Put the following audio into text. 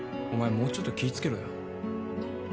もうちょっと気付けろよ。